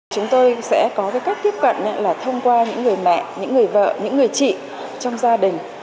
chúng tôi sẽ có cách tiếp cận là thông qua những người mẹ những người vợ những người chị trong gia đình